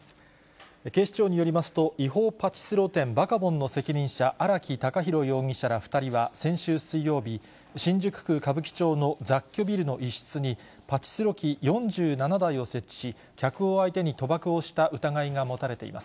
警視庁によりますと、違法パチスロ店、バカボンの責任者、荒木孝弘容疑者ら２人は、先週水曜日、新宿区歌舞伎町の雑居ビルの１室にパチスロ機４７台を設置し、客を相手に賭博をした疑いが持たれています。